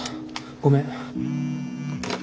ごめん。